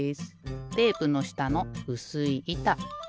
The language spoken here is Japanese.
テープのしたのうすいいた。